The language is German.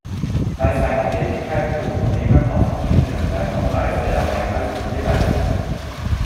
Bei seiner Tätigkeit für Unternehmen aus verschiedenen Ländern reiste er mehrmals um die Welt.